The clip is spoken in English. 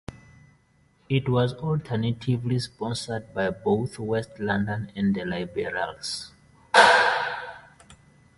It was alternatively sponsored by both West London and the Liberals.